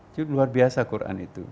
itu luar biasa quran itu